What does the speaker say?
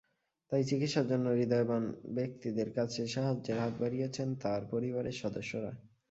তাই চিকিৎসার জন্য হূদয়বান ব্যক্তিদের কাছে সাহায্যের হাত বাড়িয়েছেন তাঁর পরিবারের সদস্যরা।